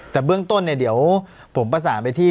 แต่เบื้องต้นเนี่ยเดี๋ยวผมประสานไปที่